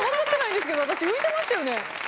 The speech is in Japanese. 私、浮いてましたよね？